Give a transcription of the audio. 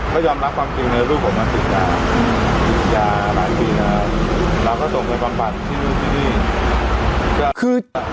ก็ยอมรับความจริงเลยลูกผมมาศึกภาพศึกภาพหลายปีแล้วแล้วก็ส่งไปปังปันที่รู้ที่นี่